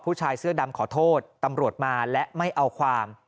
ผู้ชายเสื้อดำขอโทษตำรวจมาและไม่เอาความ